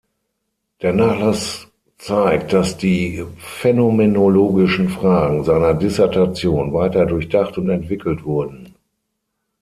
Der Nachlass „zeigt, dass die phänomenologischen Fragen seiner Dissertation weiter durchdacht und entwickelt wurden.